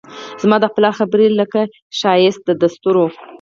زما د پلار خبرې لکه ښایست دستورو